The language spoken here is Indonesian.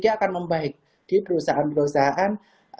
dia akan membaik di perusahaan perusahaan